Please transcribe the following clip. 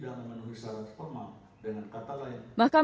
jangan menulis secara formal dengan kata lain